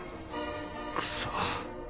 クソ！